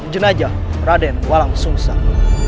jenajah raden walang sungshang